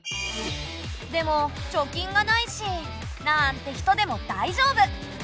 「でも貯金がないし」なんて人でもだいじょうぶ。